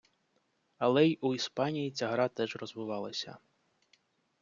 Але й у Іспанії ця гра теж розвивалася.